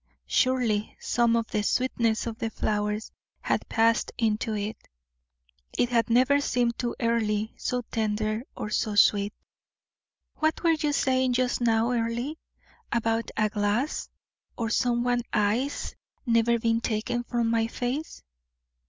Surely some of the sweetness of the flowers had passed into it; it had never seemed to Earle so tender or so sweet. "What were you saying just now, Earle, about a glass, or some one's eyes never being taken from my face?